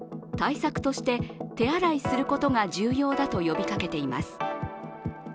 対策として、手洗いすることが重要だと呼びかけています。